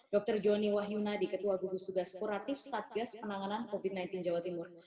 dr joni wahyuna di ketua gugus tugas kuratif satgas penanganan covid sembilan belas jawa timur